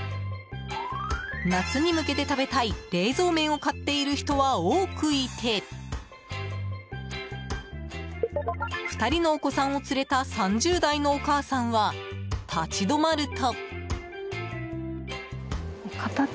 夏に向けて食べたい冷蔵麺を買っている人は多くいて２人のお子さんを連れた３０代のお母さんは立ち止まると。